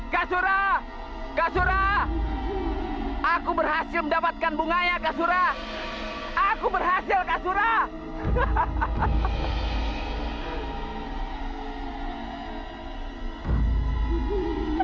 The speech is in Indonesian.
kasurah kasurah aku berhasil mendapatkan bunganya kasurah aku berhasil kasurah hahaha